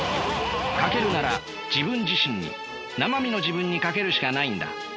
賭けるなら自分自身になま身の自分に賭けるしかないんだ。